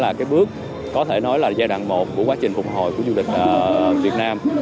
chúng tôi cũng ước có thể nói là giai đoạn một của quá trình phục hồi của du lịch việt nam